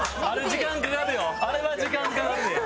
あれ時間かかるよ。